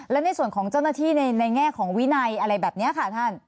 และในส่วนของเจ้าหน้าที่ในแง่ของวินัยอะไรแบบนี้ค่ะท่าน